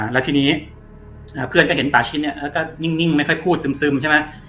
และทีนี้แกเห็นป่าชิ้นแกก็นิ่งไม่ค่อยพูดซึมบ้าง๑๙๔๘